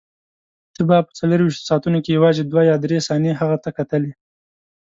ته به په څلورویشتو ساعتو کې یوازې دوه یا درې ثانیې هغه ته کتلې.